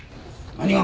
何が？